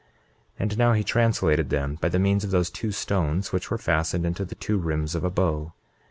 28:13 And now he translated them by the means of those two stones which were fastened into the two rims of a bow.